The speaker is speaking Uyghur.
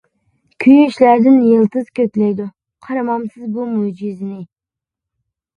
كۆيۈشلەردىن يىلتىز كۆكلەيدۇ، قارىمامسىز بۇ مۆجىزىنى.